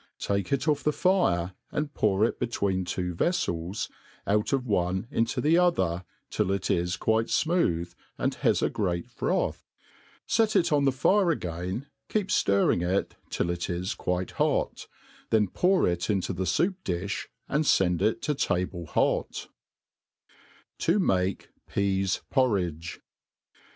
Take it OfF the fire, and pour it between two veilels, out of one into another, tilf it is quite fmooth, and has a great froth. is8 THE ART OF COOKERY froth. Set it on the fire agtm» keep ftirrtng it till it is quite hot $ tbeii pour it into the foup difli, and Tend it to table hot* 7i maki PeaS' Porridgt.